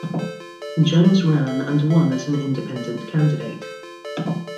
Jones ran and won as an independent candidate.